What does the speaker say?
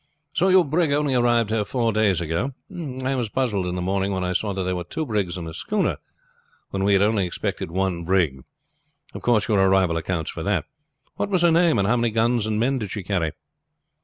"So your brig only arrived here four days ago? I was puzzled in the morning when I saw there were two brigs and a schooner when we had only expected one brig. Of course your arrival accounts for that. What was her name, and how many guns and men did she carry?"